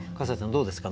どうですか？